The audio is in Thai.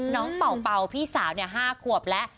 น้องเป่าพี่สาว๕ควบแล้ว